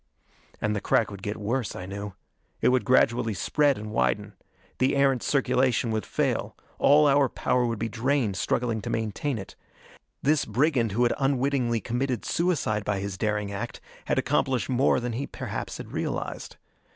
And the crack would get worse, I knew. It would gradually spread and widen. The Erentz circulation would fail. All our power would be drained struggling to maintain it. This brigand who had unwittingly committed suicide by his daring act had accomplished more than he perhaps had realized.